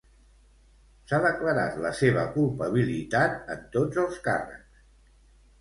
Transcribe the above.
S'ha declarat la seva culpabilitat en tots els càrrecs.